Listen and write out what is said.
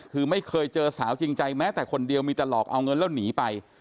คือไม่เคยเจอสาวจริงใจแม้แต่คนเดียวมีแต่หลอกเอาเงินแล้วหนีไป